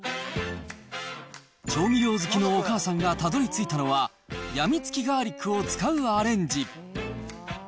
調味料好きのお母さんがたどりついたのは、やみつきガーリックを使うアレンジ。